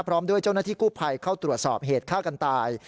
พร้อมด้วยเจ้าหน้าที่กู้ภัยเข้าตรวจสอบเหตุฆ่ากันตาย